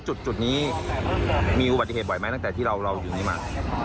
จุดนี้มีอุบัติเหตุบ่อยไหมตั้งแต่ที่เราอยู่นี้มา